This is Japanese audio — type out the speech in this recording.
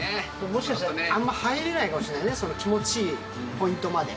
もしかしたらね、あんま入れないかもしれないね、その気持ちいい、ポイントまで。